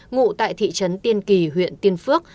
ngụ tại thị trấn tiên kỳ huyện tiên phước